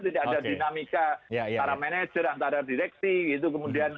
tidak ada dinamika para manajer antara direksi gitu